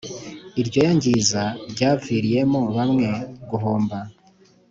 iryo yangiza ryaviriyemo bamwe guhomba